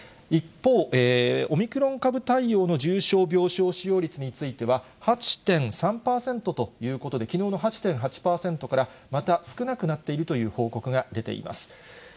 一方、オミクロン株対応の重症病床使用率については、８．３％ということで、きのうの８．８％からまた少なくなっているという報告が出ています。